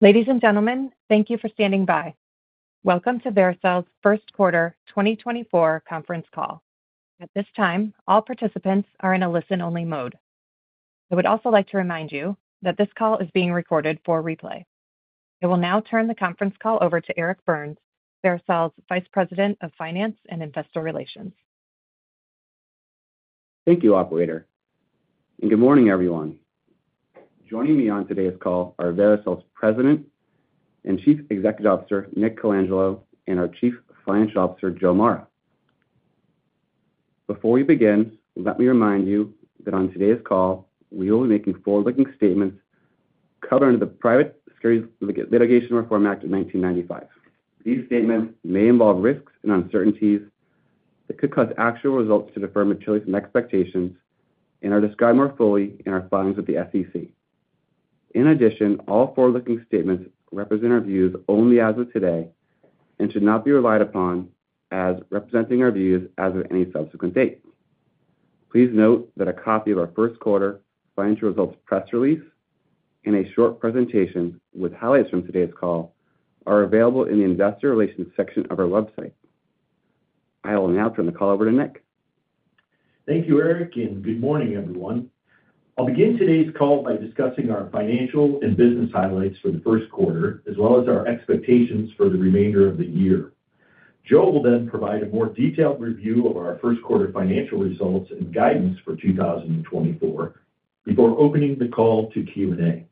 Ladies and gentlemen, thank you for standing by. Welcome to Vericel's First Quarter 2024 Conference Call. At this time, all participants are in a listen-only mode. I would also like to remind you that this call is being recorded for replay. I will now turn the conference call over to Eric Burns, Vericel's Vice President of Finance and Investor Relations. Thank you, Operator. Good morning, everyone. Joining me on today's call are Vericel's President and Chief Executive Officer Nick Colangelo and our Chief Financial Officer Joe Mara. Before we begin, let me remind you that on today's call we will be making forward-looking statements covering the Private Securities Litigation Reform Act of 1995. These statements may involve risks and uncertainties that could cause actual results to differ materially from expectations, and are described more fully in our filings with the SEC. In addition, all forward-looking statements represent our views only as of today and should not be relied upon as representing our views as of any subsequent date. Please note that a copy of our first quarter financial results press release and a short presentation with highlights from today's call are available in the Investor Relations section of our website. I will now turn the call over to Nick. Thank you, Eric, and good morning, everyone. I'll begin today's call by discussing our financial and business highlights for the first quarter, as well as our expectations for the remainder of the year. Joe will then provide a more detailed review of our first quarter financial results and guidance for 2024 before opening the call to Q&A.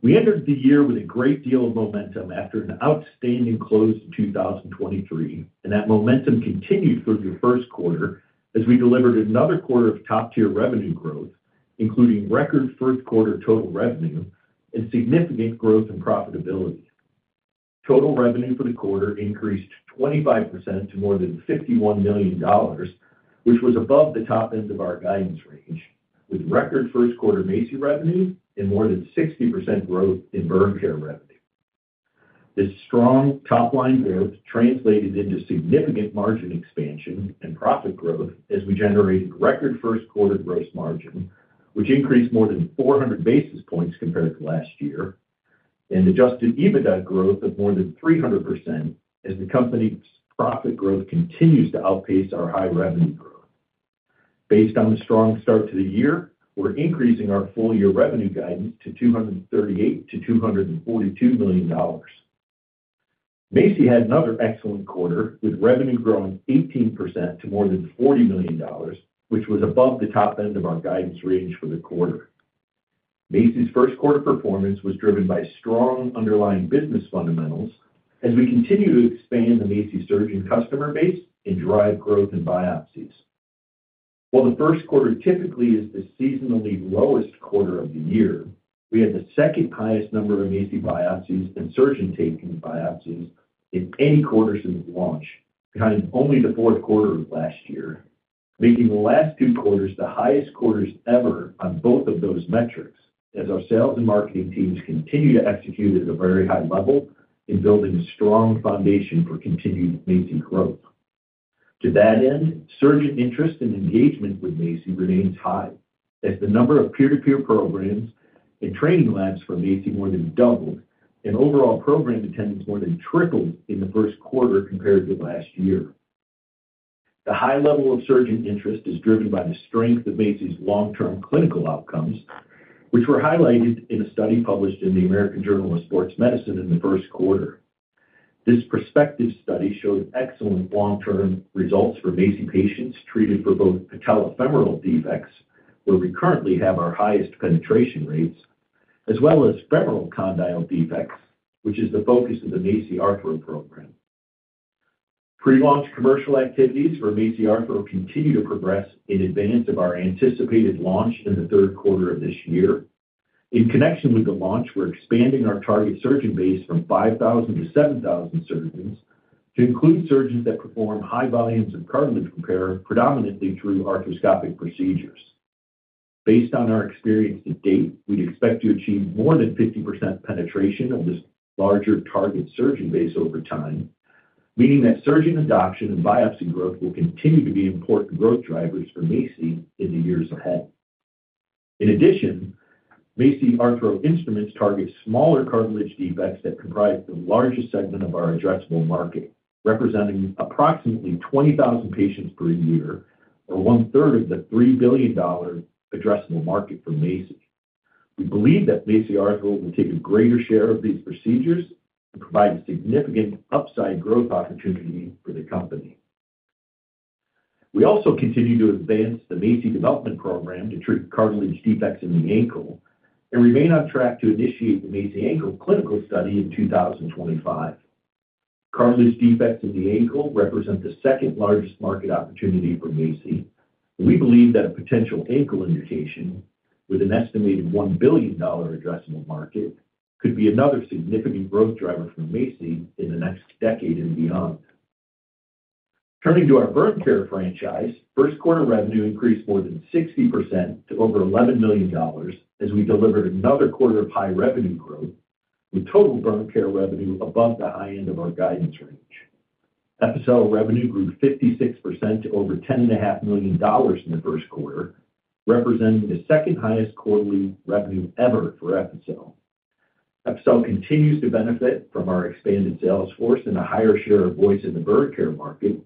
We entered the year with a great deal of momentum after an outstanding close in 2023, and that momentum continued through the first quarter as we delivered another quarter of top-tier revenue growth, including record first quarter total revenue and significant growth in profitability. Total revenue for the quarter increased 25% to more than $51 million, which was above the top end of our guidance range, with record first quarter MACI revenue and more than 60% growth in burn care revenue. This strong top-line growth translated into significant margin expansion and profit growth as we generated record first quarter gross margin, which increased more than 400 basis points compared to last year, and Adjusted EBITDA growth of more than 300% as the company's profit growth continues to outpace our high revenue growth. Based on the strong start to the year, we're increasing our full-year revenue guidance to $238-$242 million. MACI had another excellent quarter, with revenue growing 18% to more than $40 million, which was above the top end of our guidance range for the quarter. MACI's first quarter performance was driven by strong underlying business fundamentals as we continue to expand the MACI surgeon customer base and drive growth in biopsies. While the first quarter typically is the seasonally lowest quarter of the year, we had the second highest number of MACI biopsies and surgeon-taken biopsies in any quarter since launch, behind only the fourth quarter of last year, making the last two quarters the highest quarters ever on both of those metrics as our sales and marketing teams continue to execute at a very high level in building a strong foundation for continued MACI growth. To that end, surgeon interest and engagement with MACI remains high as the number of peer-to-peer programs and training labs for MACI more than doubled, and overall program attendance more than tripled in the first quarter compared to last year. The high level of surgeon interest is driven by the strength of MACI's long-term clinical outcomes, which were highlighted in a study published in the American Journal of Sports Medicine in the first quarter. This prospective study showed excellent long-term results for MACI patients treated for both patellofemoral defects, where we currently have our highest penetration rates, as well as femoral condyle defects, which is the focus of the MACI Arthro program. Pre-launch commercial activities for MACI Arthro continue to progress in advance of our anticipated launch in the third quarter of this year. In connection with the launch, we're expanding our target surgeon base from 5,000-7,000 surgeons to include surgeons that perform high volumes of cartilage repair, predominantly through arthroscopic procedures. Based on our experience to date, we'd expect to achieve more than 50% penetration of this larger target surgeon base over time, meaning that surgeon adoption and biopsy growth will continue to be important growth drivers for MACI in the years ahead. In addition, MACI Arthro instruments target smaller cartilage defects that comprise the largest segment of our addressable market, representing approximately 20,000 patients per year, or one-third of the $3 billion addressable market for MACI. We believe that MACI Arthro will take a greater share of these procedures and provide a significant upside growth opportunity for the company. We also continue to advance the MACI Development Program to treat cartilage defects in the ankle and remain on track to initiate the MACI Ankle Clinical Study in 2025. Cartilage defects in the ankle represent the second largest market opportunity for MACI, and we believe that a potential ankle indication with an estimated $1 billion addressable market could be another significant growth driver for MACI in the next decade and beyond. Turning to our burn care franchise, first quarter revenue increased more than 60% to over $11 million as we delivered another quarter of high revenue growth, with total burn care revenue above the high end of our guidance range. Epicel revenue grew 56% to over $10.5 million in the first quarter, representing the second highest quarterly revenue ever for Epicel. Epicel continues to benefit from our expanded sales force and a higher share of voice in the burn care market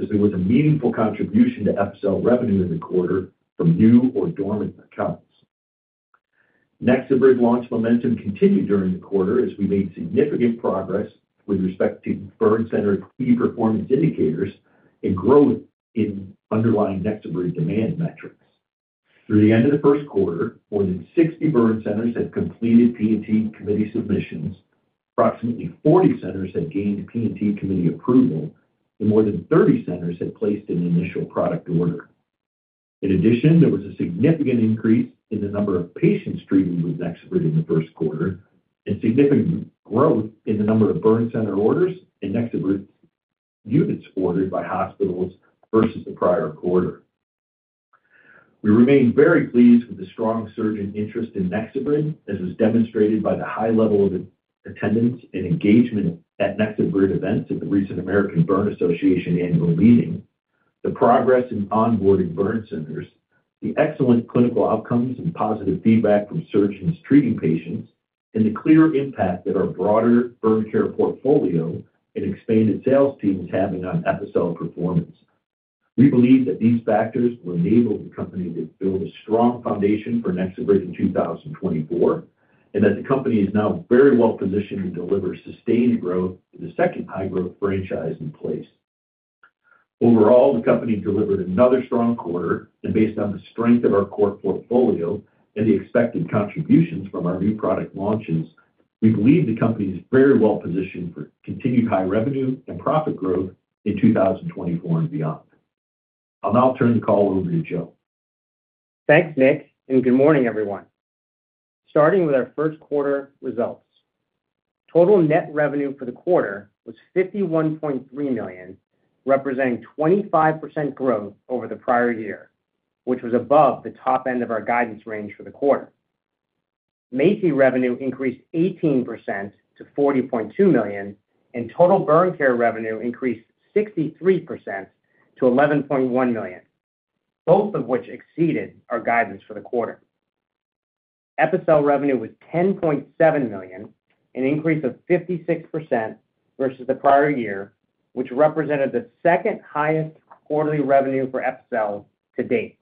as there was a meaningful contribution to Epicel revenue in the quarter from new or dormant accounts. NexoBrid launch momentum continued during the quarter as we made significant progress with respect to burn center key performance indicators and growth in underlying NexoBrid demand metrics. Through the end of the first quarter, more than 60 burn centers had completed P&T committee submissions, approximately 40 centers had gained P&T committee approval, and more than 30 centers had placed an initial product order. In addition, there was a significant increase in the number of patients treated with NexoBrid in the first quarter and significant growth in the number of burn center orders and NexoBrid units ordered by hospitals versus the prior quarter. We remain very pleased with the strong surgeon interest in NexoBrid, as was demonstrated by the high level of attendance and engagement at NexoBrid events at the recent American Burn Association annual meeting, the progress in onboarding burn centers, the excellent clinical outcomes and positive feedback from surgeons treating patients, and the clear impact that our broader burn care portfolio and expanded sales team is having on Epicel performance. We believe that these factors will enable the company to build a strong foundation for NexoBrid in 2024 and that the company is now very well positioned to deliver sustained growth in the second high-growth franchise in place. Overall, the company delivered another strong quarter, and based on the strength of our core portfolio and the expected contributions from our new product launches, we believe the company is very well positioned for continued high revenue and profit growth in 2024 and beyond. I'll now turn the call over to Joe. Thanks, Nick, and good morning, everyone. Starting with our first quarter results, total net revenue for the quarter was $51.3 million, representing 25% growth over the prior year, which was above the top end of our guidance range for the quarter. MACI revenue increased 18%-$40.2 million, and total burn care revenue increased 63%-$11.1 million, both of which exceeded our guidance for the quarter. Epicel revenue was $10.7 million, an increase of 56% versus the prior year, which represented the second highest quarterly revenue for Epicel to date.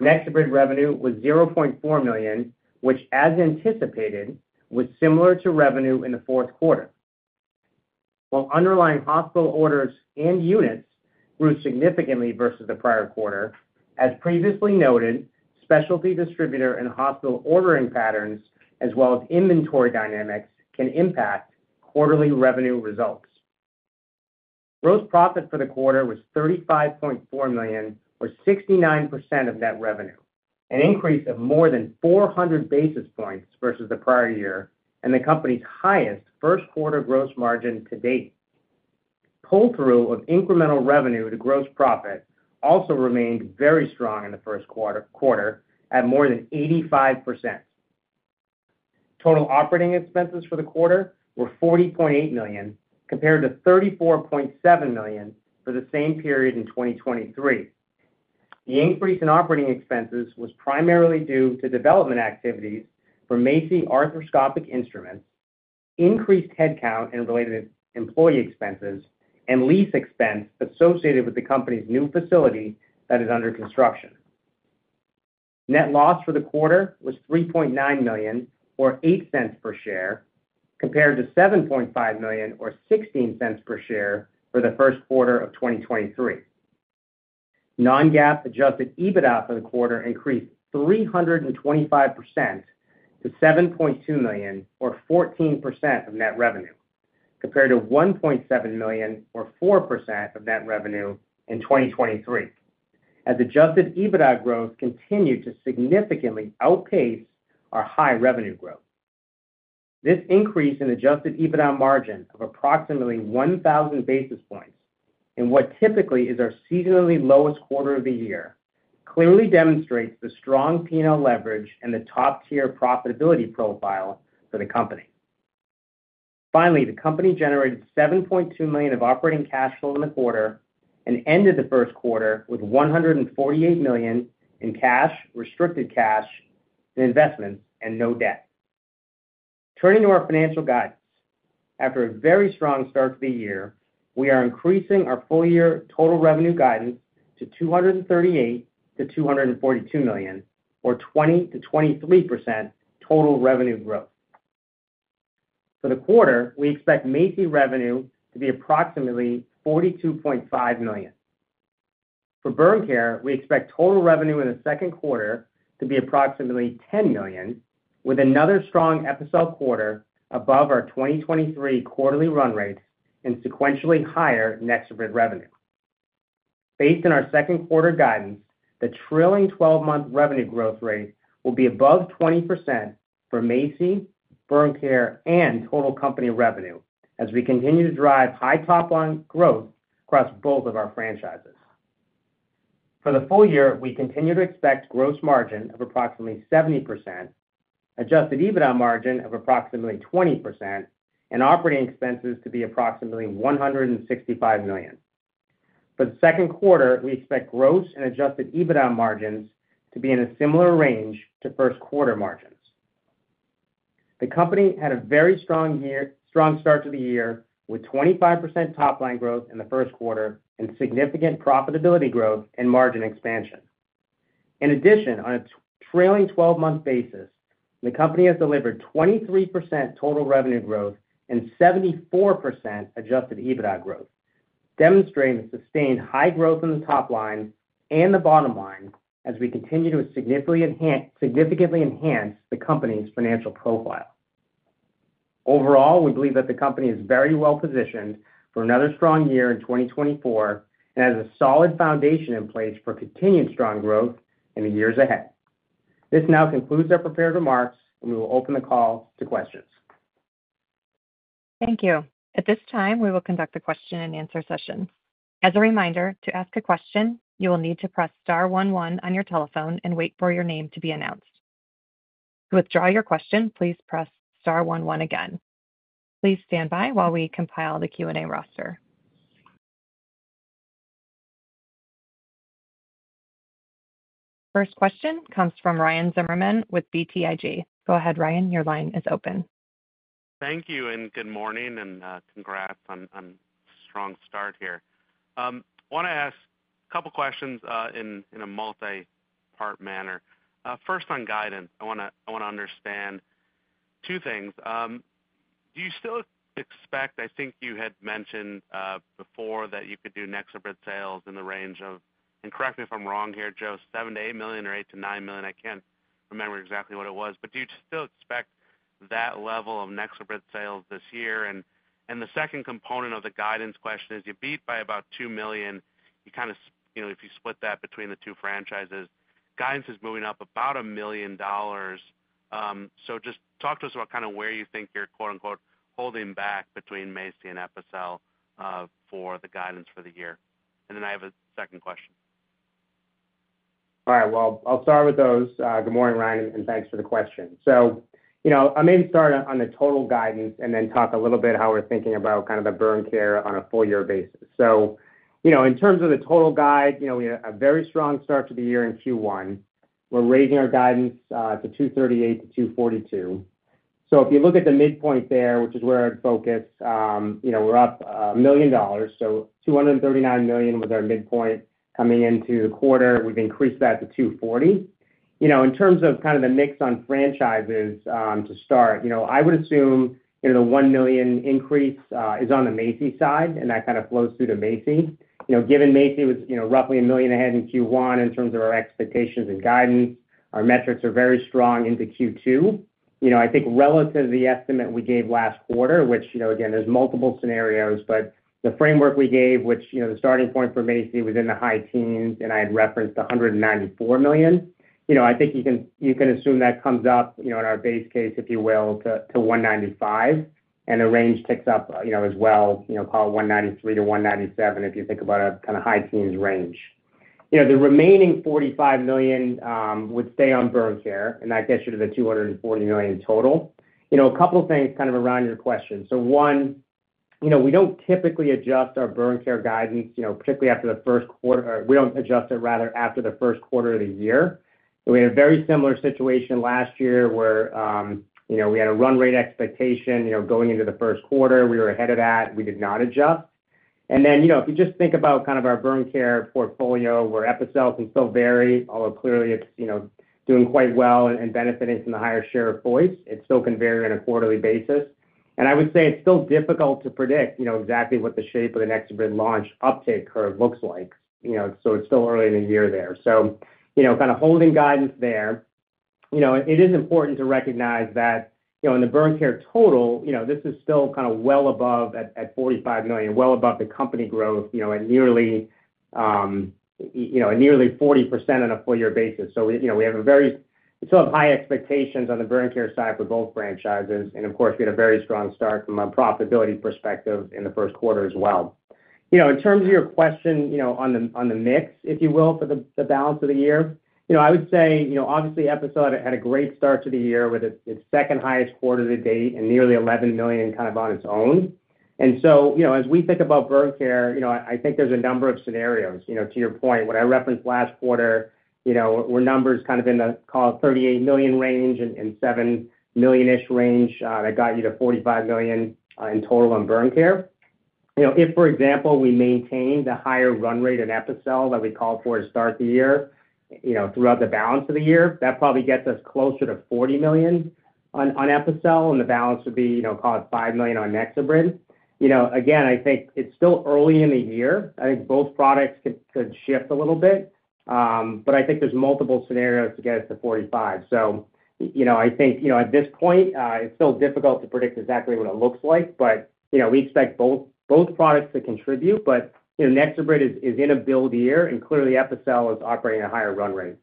NexoBrid revenue was $0.4 million, which, as anticipated, was similar to revenue in the fourth quarter. While underlying hospital orders and units grew significantly versus the prior quarter, as previously noted, specialty distributor and hospital ordering patterns, as well as inventory dynamics, can impact quarterly revenue results. Gross profit for the quarter was $35.4 million, or 69% of net revenue, an increase of more than 400 basis points versus the prior year and the company's highest first quarter gross margin to date. Pull-through of incremental revenue to gross profit also remained very strong in the first quarter at more than 85%. Total operating expenses for the quarter were $40.8 million, compared to $34.7 million for the same period in 2023. The increase in operating expenses was primarily due to development activities for MACI Arthroscopic Instruments, increased headcount and related employee expenses, and lease expense associated with the company's new facility that is under construction. Net loss for the quarter was $3.9 million, or $0.08 per share, compared to $7.5 million, or $0.16 per share for the first quarter of 2023. Non-GAAP adjusted EBITDA for the quarter increased 325%-$7.2 million, or 14% of net revenue, compared to $1.7 million, or 4% of net revenue in 2023, as adjusted EBITDA growth continued to significantly outpace our high revenue growth. This increase in adjusted EBITDA margin of approximately 1,000 basis points in what typically is our seasonally lowest quarter of the year clearly demonstrates the strong P&L leverage and the top-tier profitability profile for the company. Finally, the company generated $7.2 million of operating cash flow in the quarter and ended the first quarter with $148 million in cash, restricted cash, and investments, and no debt. Turning to our financial guidance, after a very strong start to the year, we are increasing our full-year total revenue guidance to $238-$242 million, or 20%-23% total revenue growth. For the quarter, we expect MACI revenue to be approximately $42.5 million. For burn care, we expect total revenue in the second quarter to be approximately $10 million, with another strong Epicel quarter above our 2023 quarterly run rates and sequentially higher NexoBrid revenue. Based on our second quarter guidance, the trailing 12-month revenue growth rate will be above 20% for MACI, burn care, and total company revenue as we continue to drive high top-line growth across both of our franchises. For the full year, we continue to expect gross margin of approximately 70%, adjusted EBITDA margin of approximately 20%, and operating expenses to be approximately $165 million. For the second quarter, we expect gross and adjusted EBITDA margins to be in a similar range to first quarter margins. The company had a very strong start to the year with 25% top-line growth in the first quarter and significant profitability growth and margin expansion. In addition, on a trailing 12-month basis, the company has delivered 23% total revenue growth and 74% adjusted EBITDA growth, demonstrating sustained high growth in the top line and the bottom line as we continue to significantly enhance the company's financial profile. Overall, we believe that the company is very well positioned for another strong year in 2024 and has a solid foundation in place for continued strong growth in the years ahead. This now concludes our prepared remarks, and we will open the call to questions. Thank you. At this time, we will conduct the question-and-answer session. As a reminder, to ask a question, you will need to press star one one on your telephone and wait for your name to be announced. To withdraw your question, please press star one one again. Please stand by while we compile the Q&A roster. First question comes from Ryan Zimmerman with BTIG. Go ahead, Ryan. Your line is open. Thank you, and good morning, and congrats on a strong start here. I want to ask a couple of questions in a multi-part manner. First, on guidance, I want to understand two things. Do you still expect, I think you had mentioned before that you could do NexoBrid sales in the range of, and correct me if I'm wrong here, Joe, $7-$8 million or $8-$9 million. I can't remember exactly what it was. But do you still expect that level of NexoBrid sales this year? And the second component of the guidance question is you beat by about $2 million. If you split that between the two franchises, guidance is moving up about $1 million. So just talk to us about kind of where you think you're "holding back" between MACI and Epicel for the guidance for the year. And then I have a second question. All right. Well, I'll start with those. Good morning, Ryan, and thanks for the question. So I may start on the total guidance and then talk a little bit how we're thinking about kind of the burn care on a full-year basis. So in terms of the total guide, we had a very strong start to the year in Q1. We're raising our guidance to $238-$242. So if you look at the midpoint there, which is where I'd focus, we're up $1 million. So $239 million was our midpoint coming into the quarter. We've increased that to $240. In terms of kind of the mix on franchises to start, I would assume the $1 million increase is on the MACI side, and that kind of flows through to MACI. Given MACI was roughly $1 million ahead in Q1 in terms of our expectations and guidance, our metrics are very strong into Q2. I think relative to the estimate we gave last quarter, which again, there's multiple scenarios, but the framework we gave, which the starting point for MACI was in the high teens, and I had referenced $194 million, I think you can assume that comes up in our base case, if you will, to $195 million, and the range ticks up as well, call it $193 million-$197 million if you think about a kind of high teens range. The remaining $45 million would stay on burn care, and that gets you to the $240 million total. A couple of things kind of around your question. So one, we don't typically adjust our burn care guidance, particularly after the first quarter. We don't adjust it, rather, after the first quarter of the year. We had a very similar situation last year where we had a run rate expectation going into the first quarter. We were ahead of that. We did not adjust. And then if you just think about kind of our burn care portfolio, where Epicel can still vary, although clearly it's doing quite well and benefiting from the higher share of voice, it still can vary on a quarterly basis. And I would say it's still difficult to predict exactly what the shape of the NexoBrid launch uptake curve looks like. So it's still early in the year there. So kind of holding guidance there. It is important to recognize that in the burn care total, this is still kind of well above at $45 million, well above the company growth at nearly 40% on a full-year basis. So we still have high expectations on the burn care side for both franchises. And of course, we had a very strong start from a profitability perspective in the first quarter as well. In terms of your question on the mix, if you will, for the balance of the year, I would say obviously, Epicel had a great start to the year with its second highest quarter to date and nearly $11 million kind of on its own. And so as we think about burn care, I think there's a number of scenarios. To your point, when I referenced last quarter, were numbers kind of in the, call it, $38 million range and $7 million-ish range that got you to $45 million in total on burn care? If, for example, we maintain the higher run rate in Epicel that we called for to start the year throughout the balance of the year, that probably gets us closer to $40 million on Epicel, and the balance would be, call it, $5 million on NexoBrid. Again, I think it's still early in the year. I think both products could shift a little bit, but I think there's multiple scenarios to get us to $45. So I think at this point, it's still difficult to predict exactly what it looks like, but we expect both products to contribute. But NexoBrid is in a build year, and clearly, Epicel is operating at a higher run rate.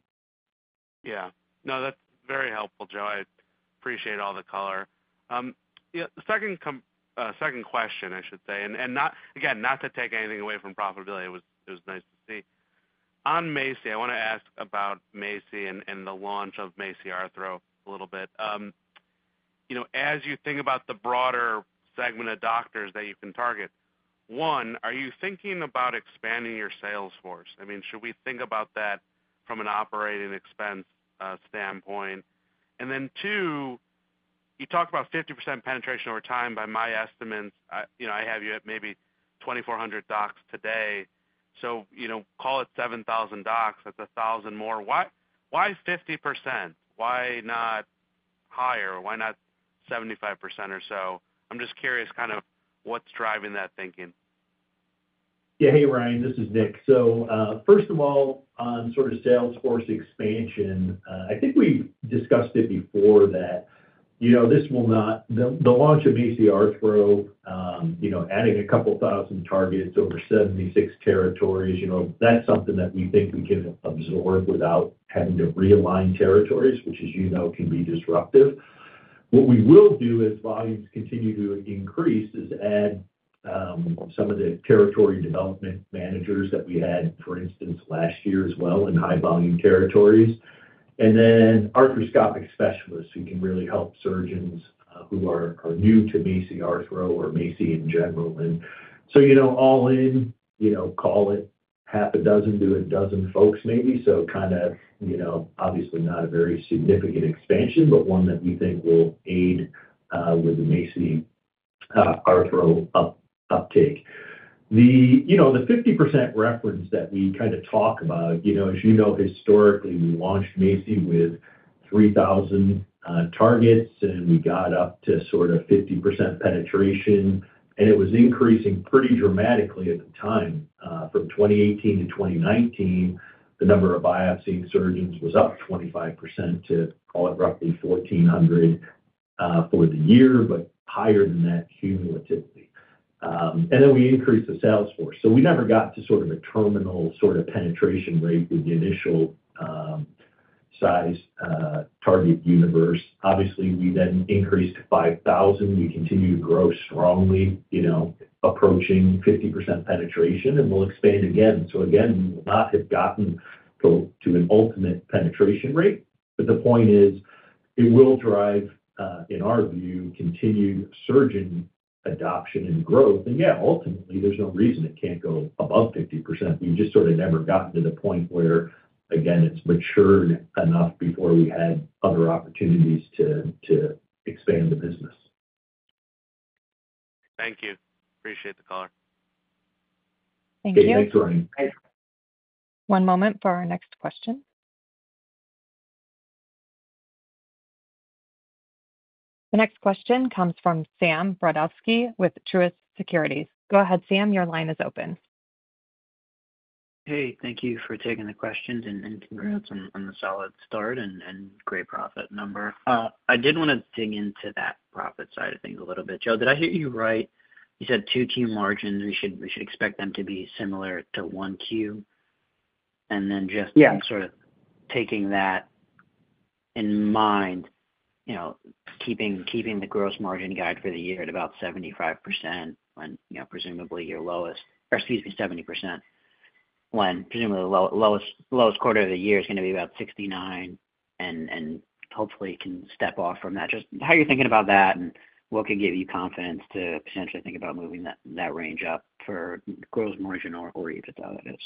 Yeah. No, that's very helpful, Joe. I appreciate all the color. Second question, I should say, and again, not to take anything away from profitability, it was nice to see. On MACI, I want to ask about MACI and the launch of MACI Arthro a little bit. As you think about the broader segment of doctors that you can target, one, are you thinking about expanding your sales force? I mean, should we think about that from an operating expense standpoint? And then two, you talked about 50% penetration over time. By my estimates, I have you at maybe 2,400 docs today. So call it 7,000 docs. That's 1,000 more. Why 50%? Why not higher? Why not 75% or so? I'm just curious kind of what's driving that thinking. Yeah. Hey, Ryan. This is Nick. So first of all, on sort of sales force expansion, I think we've discussed it before that this will not—the launch of MACI Arthro, adding a couple of thousand targets over 76 territories, that's something that we think we can absorb without having to realign territories, which as you know can be disruptive. What we will do as volumes continue to increase is add some of the territory development managers that we had, for instance, last year as well in high-volume territories, and then arthroscopic specialists who can really help surgeons who are new to MACI Arthro or MACI in general. And so all in, call it 6-12 folks maybe. So kind of obviously not a very significant expansion, but one that we think will aid with the MACI Arthro uptake. The 50% reference that we kind of talk about, as you know, historically, we launched MACI with 3,000 targets, and we got up to sort of 50% penetration. And it was increasing pretty dramatically at the time. From 2018-2019, the number of biopsying surgeons was up 25% to, call it, roughly 1,400 for the year, but higher than that cumulatively. And then we increased the sales force. So we never got to sort of a terminal sort of penetration rate with the initial size target universe. Obviously, we then increased to 5,000. We continue to grow strongly, approaching 50% penetration, and we'll expand again. So again, we will not have gotten to an ultimate penetration rate. But the point is, it will drive, in our view, continued surgeon adoption and growth. And yeah, ultimately, there's no reason it can't go above 50%. We've just sort of never gotten to the point where, again, it's matured enough before we had other opportunities to expand the business. Thank you. Appreciate the color. Thank you. Thanks, Ryan. One moment for our next question. The next question comes from Samuel Brodovsky with Truist Securities. Go ahead, Sam. Your line is open. Hey. Thank you for taking the questions and congrats on the solid start and great profit number. I did want to dig into that profit side of things a little bit. Joe, did I hear you right? You said 2Q margins. We should expect them to be similar to 1Q. Then just sort of taking that in mind, keeping the gross margin guide for the year at about 75% when presumably your lowest - or excuse me, 70% when presumably the lowest quarter of the year is going to be about 69%, and hopefully, can step off from that. Just how are you thinking about that, and what could give you confidence to potentially think about moving that range up for gross margin or EBITDA?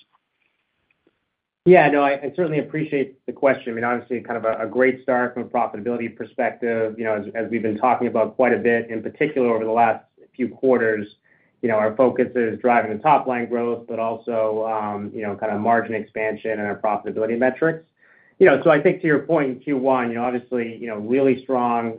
Yeah. No, I certainly appreciate the question. I mean, obviously, kind of a great start from a profitability perspective. As we've been talking about quite a bit, in particular over the last few quarters, our focus is driving the top-line growth, but also kind of margin expansion and our profitability metrics. So I think to your point in Q1, obviously, really strong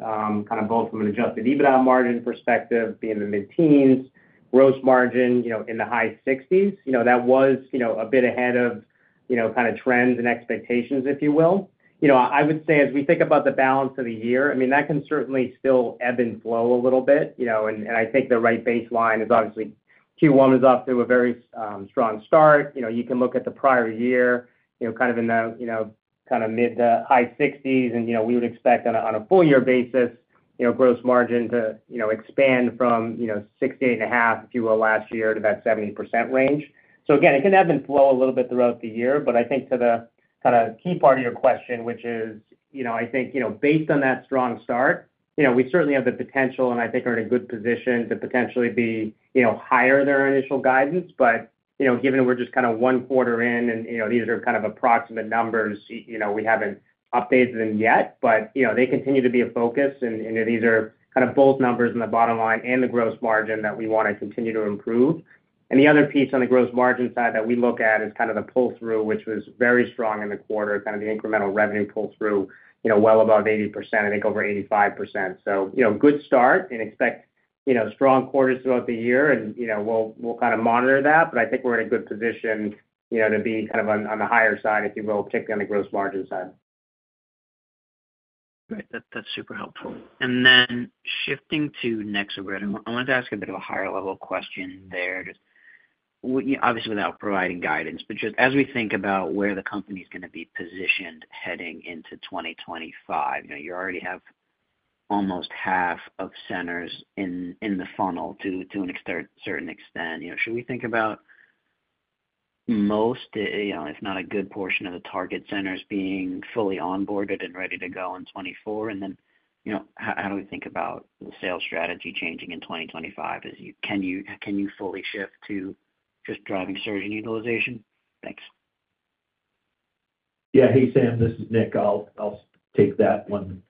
kind of both from an adjusted EBITDA margin perspective, being in the mid-teens, gross margin in the high 60s. That was a bit ahead of kind of trends and expectations, if you will. I would say as we think about the balance of the year, I mean, that can certainly still ebb and flow a little bit. I think the right baseline is obviously Q1 is off to a very strong start. You can look at the prior year kind of in the kind of mid to high-60s. We would expect on a full-year basis, gross margin to expand from 68.5, if you will, last year to that 70% range. Again, it can ebb and flow a little bit throughout the year. But I think to the kind of key part of your question, which is I think based on that strong start, we certainly have the potential, and I think we're in a good position to potentially be higher than our initial guidance. But given we're just kind of one quarter in, and these are kind of approximate numbers, we haven't updated them yet. But they continue to be a focus, and these are kind of both numbers in the bottom line and the gross margin that we want to continue to improve. And the other piece on the gross margin side that we look at is kind of the pull-through, which was very strong in the quarter, kind of the incremental revenue pull-through, well above 80%, I think over 85%. So good start, and expect strong quarters throughout the year, and we'll kind of monitor that. But I think we're in a good position to be kind of on the higher side, if you will, particularly on the gross margin side. Great. That's super helpful. And then shifting to NexoBrid, I wanted to ask a bit of a higher-level question there, obviously without providing guidance. But just as we think about where the company's going to be positioned heading into 2025, you already have almost half of centers in the funnel to a certain extent. Should we think about most, if not a good portion, of the target centers being fully onboarded and ready to go in 2024? And then how do we think about the sales strategy changing in 2025? Can you fully shift to just driving surgeon utilization? Thanks. Yeah. Hey, Sam. This is Nick. I'll take that one.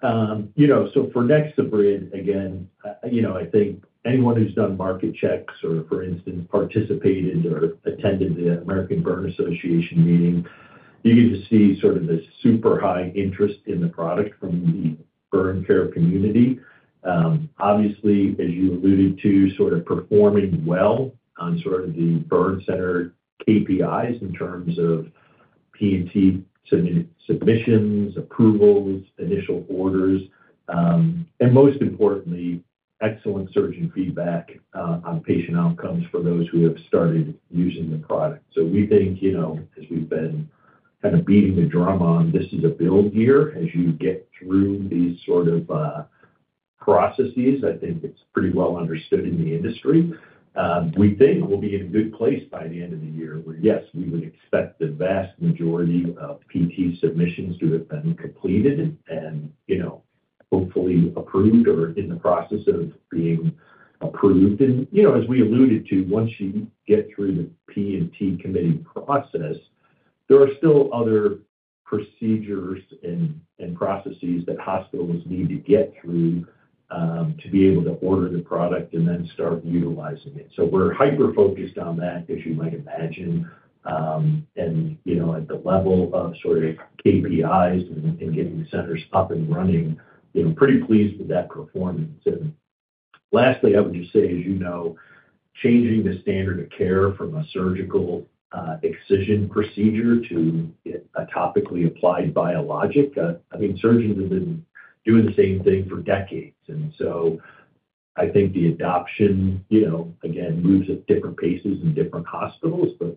So for NexoBrid, again, I think anyone who's done market checks or, for instance, participated or attended the American Burn Association meeting, you can just see sort of this super high interest in the product from the burn care community. Obviously, as you alluded to, sort of performing well on sort of the burn center KPIs in terms of P&T submissions, approvals, initial orders, and most importantly, excellent surgeon feedback on patient outcomes for those who have started using the product. So we think as we've been kind of beating the drum on, this is a build year. As you get through these sort of processes, I think it's pretty well understood in the industry. We think we'll be in a good place by the end of the year where, yes, we would expect the vast majority of P&T submissions to have been completed and hopefully approved or in the process of being approved. And as we alluded to, once you get through the P&T committee process, there are still other procedures and processes that hospitals need to get through to be able to order the product and then start utilizing it. So we're hyper-focused on that, as you might imagine. And at the level of sort of KPIs and getting centers up and running, pretty pleased with that performance. And lastly, I would just say, as you know, changing the standard of care from a surgical excision procedure to a topically applied biologic, I mean, surgeons have been doing the same thing for decades. And so I think the adoption, again, moves at different paces in different hospitals, but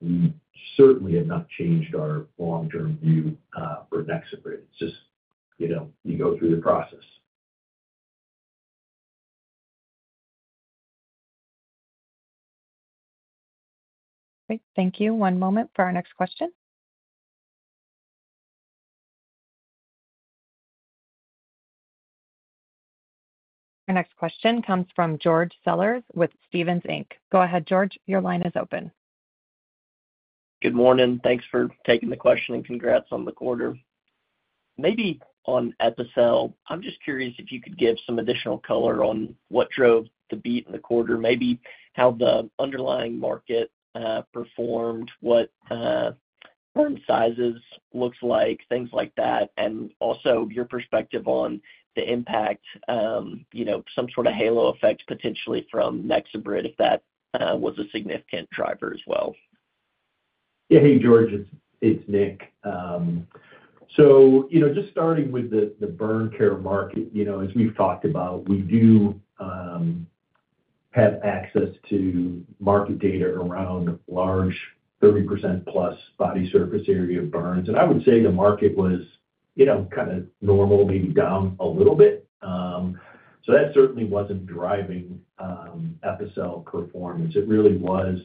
we certainly have not changed our long-term view for NexoBrid. It's just you go through the process. Great. Thank you. One moment for our next question. Our next question comes from George Sellers with Stephens Inc. Go ahead, George. Your line is open. Good morning. Thanks for taking the question, and congrats on the quarter. Maybe on Epicel, I'm just curious if you could give some additional color on what drove the beat in the quarter, maybe how the underlying market performed, what burn sizes looked like, things like that, and also your perspective on the impact, some sort of halo effect potentially from NexoBrid if that was a significant driver as well. Yeah. Hey, George. It's Nick. So just starting with the burn care market, as we've talked about, we do have access to market data around large 30%-plus body surface area burns. And I would say the market was kind of normal, maybe down a little bit. So that certainly wasn't driving Epicel performance. It really was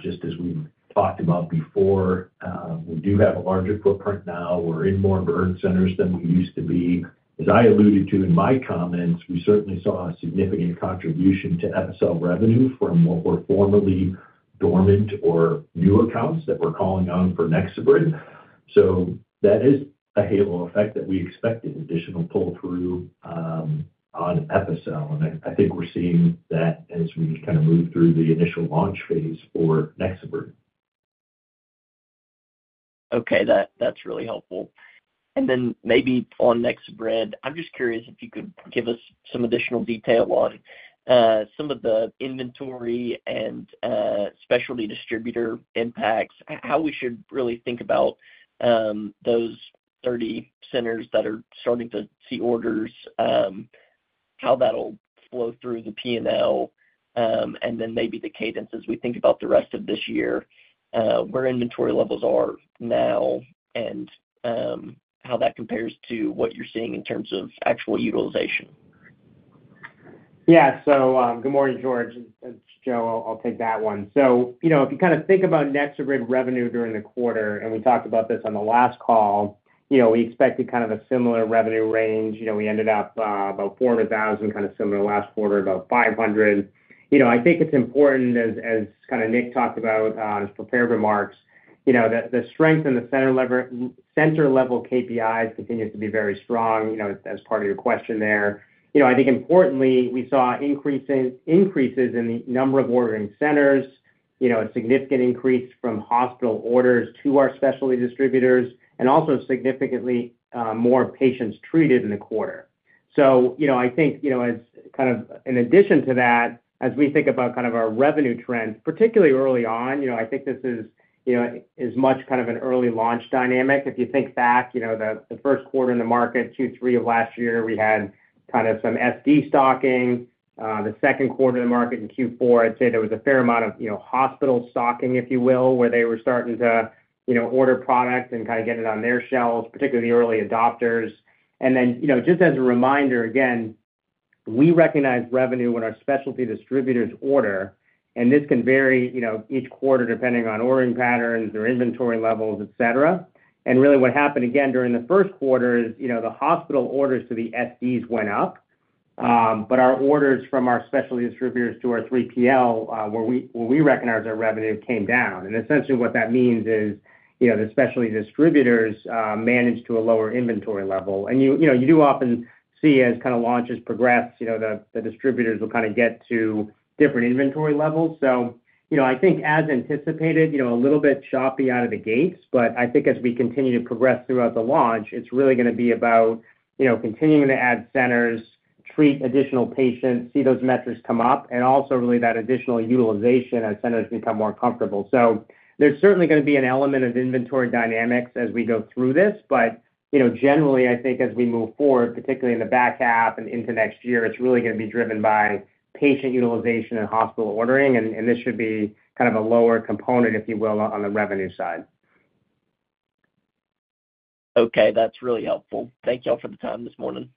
just as we've talked about before. We do have a larger footprint now. We're in more burn centers than we used to be. As I alluded to in my comments, we certainly saw a significant contribution to Epicel revenue from what were formerly dormant or new accounts that were calling on for NexoBrid. So that is a halo effect that we expected, additional pull-through on Epicel. And I think we're seeing that as we kind of move through the initial launch phase for NexoBrid. Okay. That's really helpful. Then maybe on NexoBrid, I'm just curious if you could give us some additional detail on some of the inventory and specialty distributor impacts, how we should really think about those 30 centers that are starting to see orders, how that'll flow through the P&L, and then maybe the cadence as we think about the rest of this year, where inventory levels are now, and how that compares to what you're seeing in terms of actual utilization? Yeah. So good morning, George. And Joe, I'll take that one. So if you kind of think about NexoBrid revenue during the quarter, and we talked about this on the last call, we expected kind of a similar revenue range. We ended up about $400,000, kind of similar last quarter, about $500. I think it's important, as kind of Nick talked about in his prepared remarks, that the strength in the center-level KPIs continues to be very strong as part of your question there. I think importantly, we saw increases in the number of ordering centers, a significant increase from hospital orders to our specialty distributors, and also significantly more patients treated in the quarter. So I think as kind of in addition to that, as we think about kind of our revenue trends, particularly early on, I think this is as much kind of an early-launch dynamic. If you think back the first quarter in the market, Q3 of last year, we had kind of some SD stocking. The second quarter of the market in Q4, I'd say there was a fair amount of hospital stocking, if you will, where they were starting to order product and kind of get it on their shelves, particularly early adopters. And then just as a reminder, again, we recognize revenue when our specialty distributors order. And this can vary each quarter depending on ordering patterns or inventory levels, etc. And really what happened, again, during the first quarter is the hospital orders to the SDs went up, but our orders from our specialty distributors to our 3PL, what we recognize our revenue came down. And essentially, what that means is the specialty distributors managed to a lower inventory level. And you do often see as kind of launches progress, the distributors will kind of get to different inventory levels. So I think as anticipated, a little bit choppy out of the gates. But I think as we continue to progress throughout the launch, it's really going to be about continuing to add centers, treat additional patients, see those metrics come up, and also really that additional utilization as centers become more comfortable. So there's certainly going to be an element of inventory dynamics as we go through this. But generally, I think as we move forward, particularly in the back half and into next year, it's really going to be driven by patient utilization and hospital ordering. And this should be kind of a lower component, if you will, on the revenue side. Okay. That's really helpful. Thank you all for the time this morning.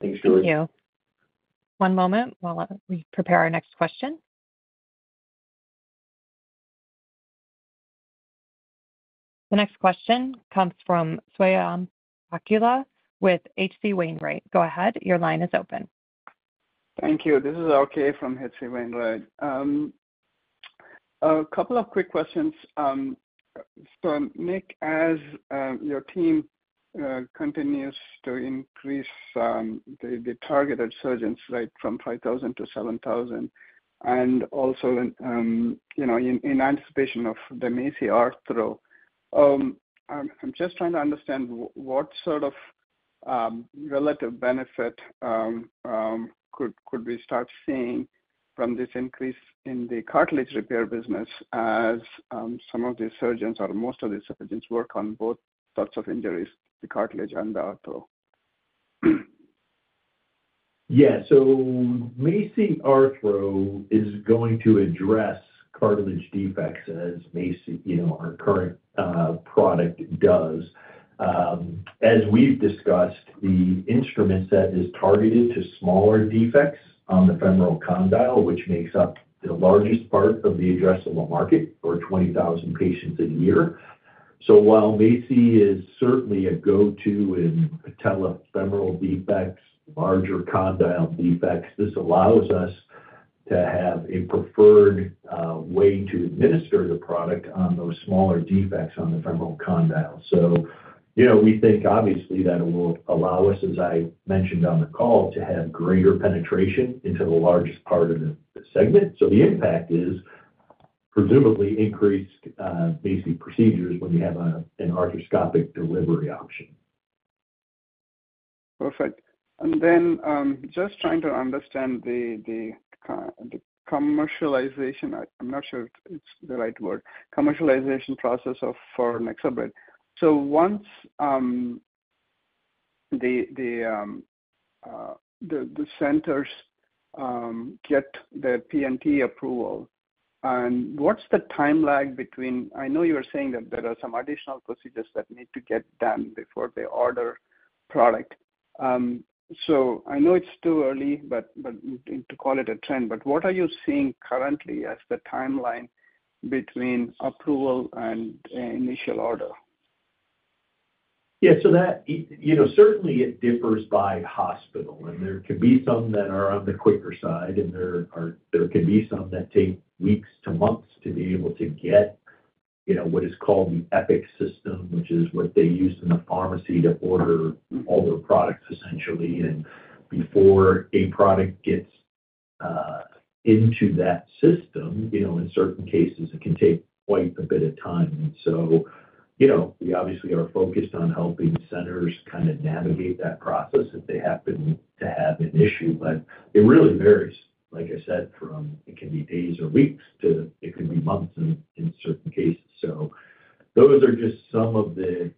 Thanks, George. Thank you. One moment while we prepare our next question. The next question comes from Swayampakula with H.C. Wainwright. Go ahead. Your line is open. Thank you. This is RK from H.C. Wainwright. A couple of quick questions. So Nick, as your team continues to increase the targeted surgeons, right, from 5,000-7,000, and also in anticipation of the MACI Arthro, I'm just trying to understand what sort of relative benefit could we start seeing from this increase in the cartilage repair business as some of the surgeons or most of the surgeons work on both sorts of injuries, the cartilage and the arthro? Yeah. So MACI Arthro is going to address cartilage defects as our current product does. As we've discussed, the instrument set is targeted to smaller defects on the femoral condyle, which makes up the largest part of the addressable market for 20,000 patients a year. So while MACI is certainly a go-to in patellofemoral defects, larger condyle defects, this allows us to have a preferred way to administer the product on those smaller defects on the femoral condyle. So we think, obviously, that it will allow us, as I mentioned on the call, to have greater penetration into the largest part of the segment. So the impact is presumably increased MACI procedures when you have an arthroscopic delivery option. Perfect. And then just trying to understand the commercialization - I'm not sure it's the right word - commercialization process for NexoBrid. So once the centers get their P&T approval, what's the time lag between? I know you were saying that there are some additional procedures that need to get done before they order product. So I know it's too early to call it a trend, but what are you seeing currently as the timeline between approval and initial order? Yeah. So certainly, it differs by hospital. And there could be some that are on the quicker side, and there could be some that take weeks to months to be able to get what is called the Epic system, which is what they use in the pharmacy to order all their products, essentially. And before a product gets into that system, in certain cases, it can take quite a bit of time. And so we obviously are focused on helping centers kind of navigate that process if they happen to have an issue. But it really varies, like I said, from it can be days or weeks to it could be months in certain cases. So those are just some of the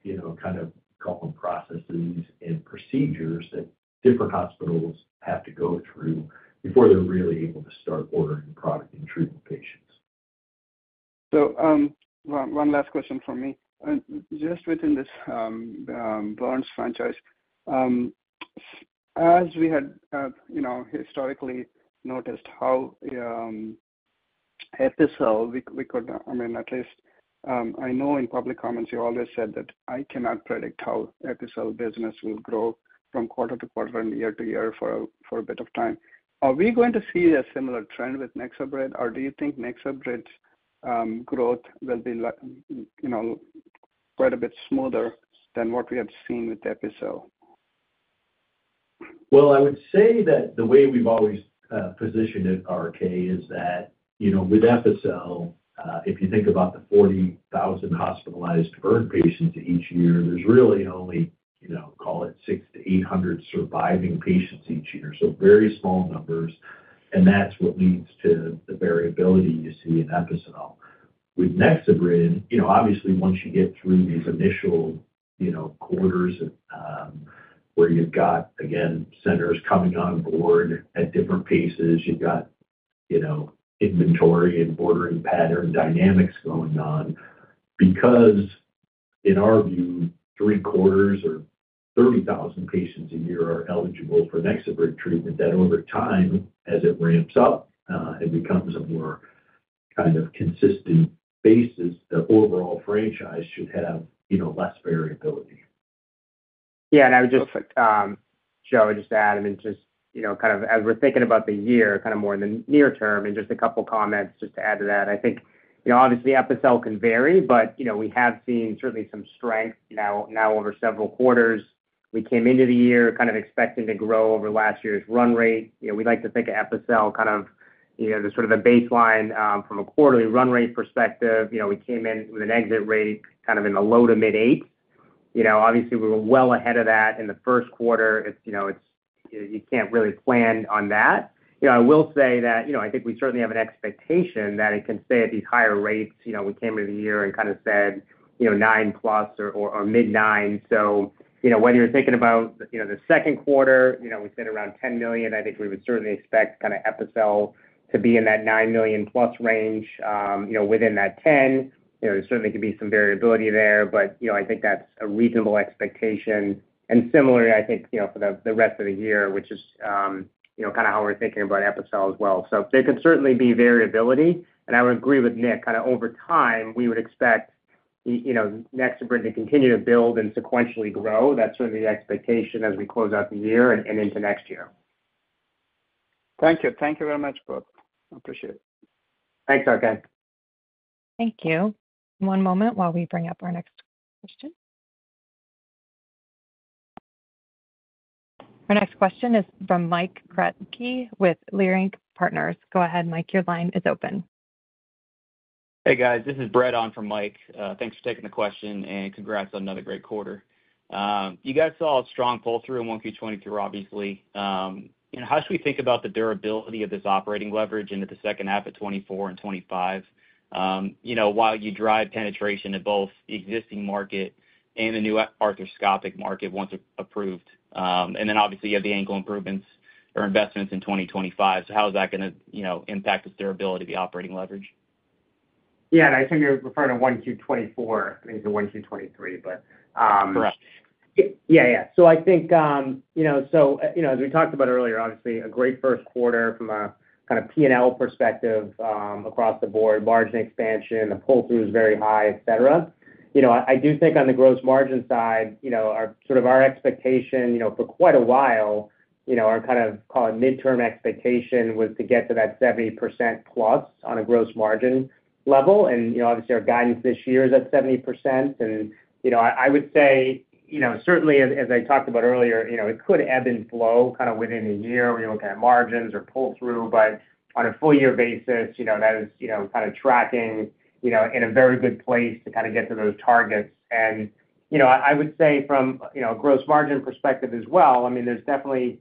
kind of call them processes and procedures that different hospitals have to go through before they're really able to start ordering product and treating patients. So one last question from me. Just within this Burns franchise, as we had historically noticed how Epicel, we could I mean, at least I know in public comments, you always said that, "I cannot predict how Epicel business will grow from quarter to quarter and year to year for a bit of time." Are we going to see a similar trend with NexoBrid, or do you think NexoBrid growth will be quite a bit smoother than what we have seen with Epicel? Well, I would say that the way we've always positioned it, okay, is that with Epicel, if you think about the 40,000 hospitalized burn patients each year, there's really only, call it, 600-800 surviving patients each year. So very small numbers. And that's what leads to the variability you see in Epicel. With NexoBrid, obviously, once you get through these initial quarters where you've got, again, centers coming on board at different paces, you've got inventory and ordering pattern dynamics going on. Because in our view, three-quarters or 30,000 patients a year are eligible for NexoBrid treatment, that over time, as it ramps up and becomes a more kind of consistent basis, the overall franchise should have less variability. Yeah. I would just, Joe, add, I mean, just kind of as we're thinking about the year, kind of more in the near term, and just a couple of comments just to add to that. I think obviously, Epicel can vary, but we have seen certainly some strength now over several quarters. We came into the year kind of expecting to grow over last year's run rate. We like to think of Epicel kind of as sort of a baseline from a quarterly run rate perspective. We came in with an exit rate kind of in the low to mid-8s. Obviously, we were well ahead of that in the first quarter. You can't really plan on that. I will say that I think we certainly have an expectation that it can stay at these higher rates. We came into the year and kind of said 9+ or mid-9. So whether you're thinking about the second quarter, we said around $10 million. I think we would certainly expect kind of Epicel to be in that $9 million+ range. Within that 10, there certainly could be some variability there, but I think that's a reasonable expectation. And similarly, I think for the rest of the year, which is kind of how we're thinking about Epicel as well. So there could certainly be variability. And I would agree with Nick. Kind of over time, we would expect NexoBrid to continue to build and sequentially grow. That's certainly the expectation as we close out the year and into next year. Thank you. Thank you very much, both. I appreciate it. Thanks, Okay. Thank you. One moment while we bring up our next question. Our next question is from Mike Kratky with Leerink Partners. Go ahead, Mike. Your line is open. Hey, guys. This is Brad on for Mike. Thanks for taking the question, and congrats on another great quarter. You guys saw a strong pull-through in 1Q23, obviously. How should we think about the durability of this operating leverage into the second half of 2024 and 2025 while you drive penetration in both the existing market and the new arthroscopic market once approved? And then obviously, you have the ankle improvements or investments in 2025. So how is that going to impact the durability of the operating leverage? Yeah. I think you're referring to 1Q24. I think it's a 1Q23, but. Correct. Yeah, yeah. So I think so as we talked about earlier, obviously, a great first quarter from a kind of P&L perspective across the board, margin expansion, the pull-through is very high, etc. I do think on the gross margin side, sort of our expectation for quite a while, our kind of, call it, midterm expectation was to get to that 70%+ on a gross margin level. And obviously, our guidance this year is at 70%. And I would say certainly, as I talked about earlier, it could ebb and flow kind of within a year. We're looking at margins or pull-through. But on a full-year basis, that is kind of tracking in a very good place to kind of get to those targets. I would say from a gross margin perspective as well, I mean, there's definitely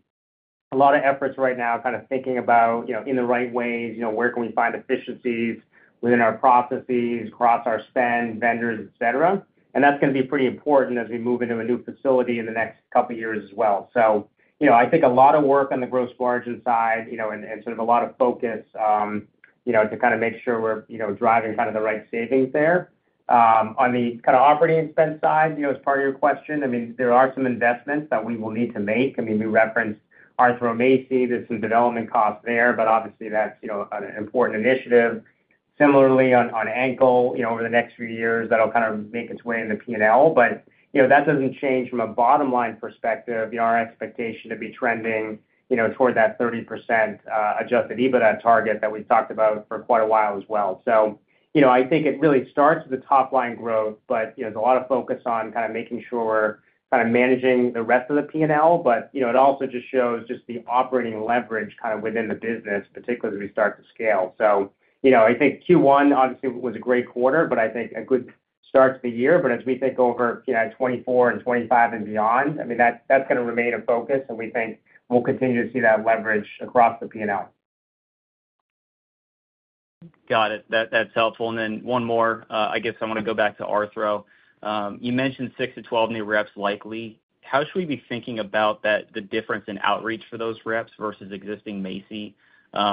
a lot of efforts right now kind of thinking about in the right ways, where can we find efficiencies within our processes, across our spend, vendors, etc.? That's going to be pretty important as we move into a new facility in the next couple of years as well. I think a lot of work on the gross margin side and sort of a lot of focus to kind of make sure we're driving kind of the right savings there. On the kind of operating expense side, as part of your question, I mean, there are some investments that we will need to make. I mean, we referenced Arthro MACI. There's some development costs there, but obviously, that's an important initiative. Similarly, on ankle over the next few years, that'll kind of make its way into P&L. But that doesn't change from a bottom-line perspective, our expectation to be trending toward that 30% adjusted EBITDA target that we've talked about for quite a while as well. So I think it really starts with the top-line growth, but there's a lot of focus on kind of making sure we're kind of managing the rest of the P&L. But it also just shows just the operating leverage kind of within the business, particularly as we start to scale. So I think Q1, obviously, was a great quarter, but I think a good start to the year. But as we think over 2024 and 2025 and beyond, I mean, that's going to remain a focus, and we think we'll continue to see that leverage across the P&L. Got it. That's helpful. And then one more. I guess I want to go back to arthro. You mentioned 6-12 new reps likely. How should we be thinking about the difference in outreach for those reps versus existing MACI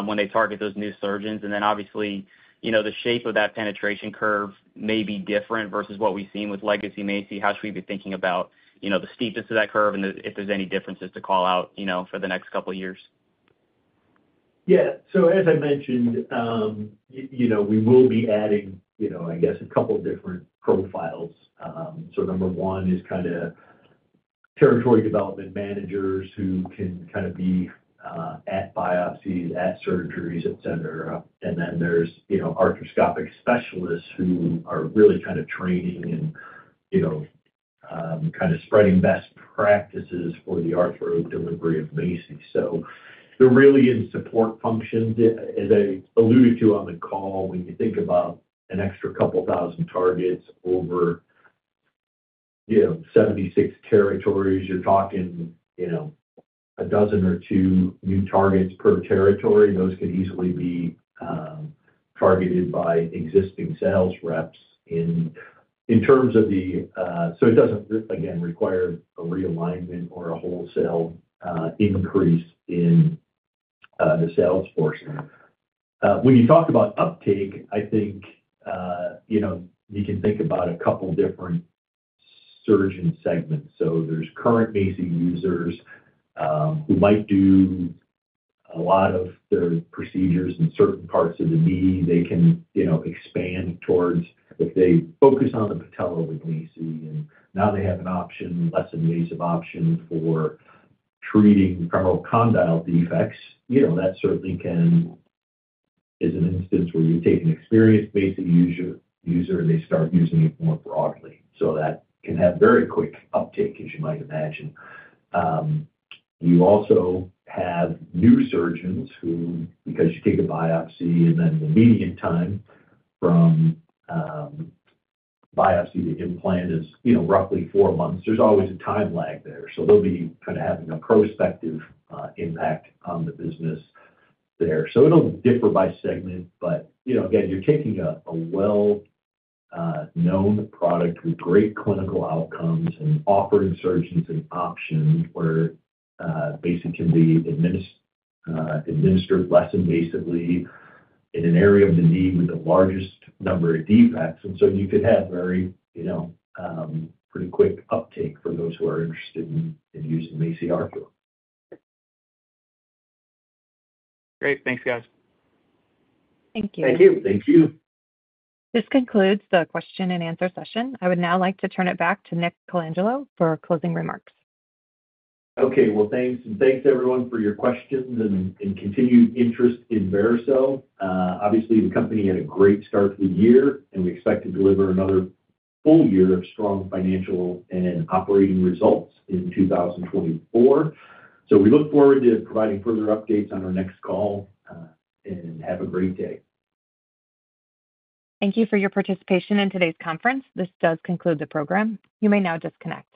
when they target those new surgeons? And then obviously, the shape of that penetration curve may be different versus what we've seen with legacy MACI. How should we be thinking about the steepness of that curve and if there's any differences to call out for the next couple of years? Yeah. So as I mentioned, we will be adding, I guess, a couple of different profiles. So number one is kind of territory development managers who can kind of be at biopsies, at surgeries, etc. And then there's arthroscopic specialists who are really kind of training and kind of spreading best practices for the arthro delivery of MACI. So they're really in support functions. As I alluded to on the call, when you think about an extra couple thousand targets over 76 territories, you're talking a dozen or two new targets per territory. Those could easily be targeted by existing sales reps in terms of the so it doesn't, again, require a realignment or a wholesale increase in the sales force. When you talk about uptake, I think you can think about a couple of different surgeon segments. So there's current MACI users who might do a lot of their procedures in certain parts of the knee. They can expand towards if they focus on the patella with MACI, and now they have an option, less invasive option for treating femoral condyle defects. That certainly is an instance where you take an experienced MACI user, and they start using it more broadly. So that can have very quick uptake, as you might imagine. You also have new surgeons who, because you take a biopsy and then the median time from biopsy to implant is roughly four months, there's always a time lag there. So they'll be kind of having a prospective impact on the business there. So it'll differ by segment. But again, you're taking a well-known product with great clinical outcomes and offering surgeons an option where MACI can be administered less invasively in an area of the knee with the largest number of defects. And so you could have pretty quick uptake for those who are interested in using MACI Arthro. Great. Thanks, guys. Thank you. Thank you. Thank you. This concludes the question-and-answer session. I would now like to turn it back to Nick Colangelo for closing remarks. Okay. Well, thanks. Thanks, everyone, for your questions and continued interest in Vericel. Obviously, the company had a great start to the year, and we expect to deliver another full year of strong financial and operating results in 2024. We look forward to providing further updates on our next call and have a great day. Thank you for your participation in today's conference. This does conclude the program. You may now disconnect.